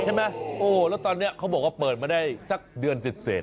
ใช่ไหมโอ้แล้วตอนนี้เขาบอกว่าเปิดมาได้สักเดือนเสร็จ